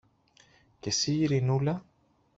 Και συ, Ειρηνούλα;